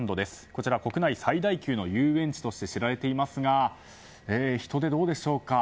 こちら国内最大級の遊園地として知られていますが人出、どうでしょうか。